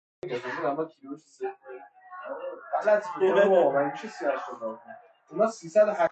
ترشح بیش از حد بزاق بسته به علت آن شاید موقت یا مزمن باشد